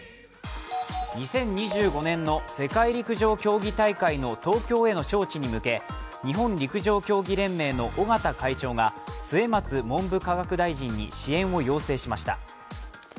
２０２５年の世界陸上競技大会の東京への招致に向け日本陸上競技連盟の尾縣会長が末松文部科学大臣に支援を要請しました。